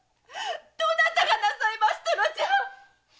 どなたがなさいましたのじゃ！